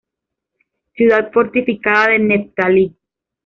Ciudad fortificada de Neftalí.